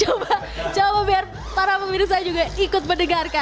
coba jawab biar para pemirsa juga ikut mendengarkan